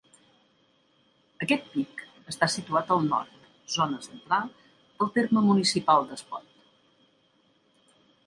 Aquest pic està situat al nord, zona central, del terme municipal d'Espot.